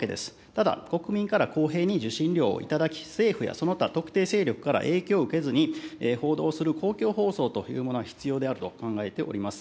ただ、国民から公平に受信料を頂き、政府やその他、特定勢力から影響を受けずに報道する公共放送というものは必要であると考えております。